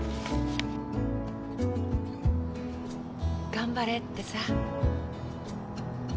頑張れってさ。